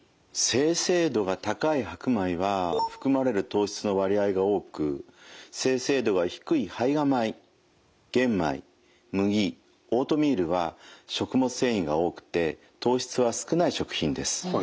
精製度が高い白米は含まれる糖質の割合が多く精製度が低い胚芽米玄米麦オートミールは食物繊維が多くて糖質は少ない食品です。